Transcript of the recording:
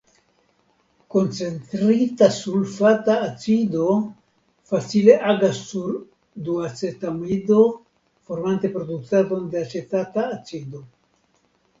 Koncentrita sulfata acido facile agas sur duacetamido formante produktadon de acetata acido.